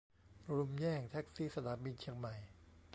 รุมแย่งแท็กซี่ สนามบินเชียงใหม่